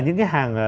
những cái hàng